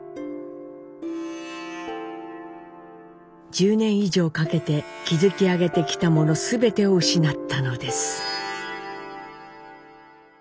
１０年以上かけて築き上げてきたものすべてを失ったのです。